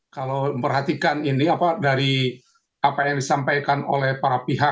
kalau memperhatikan ini apa dari apa yang disampaikan oleh para pihak